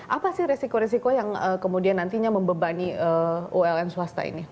apa sih resiko resiko yang kemudian nantinya membebani uln swasta ini